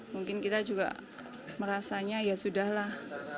mungkin kita juga merasanya ya sudah lah